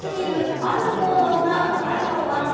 ある行動が話題のワンコ。